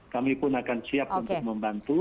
kami pun akan siap untuk membantu